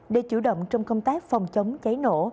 để chủ động trong công tác phòng chống cháy nổ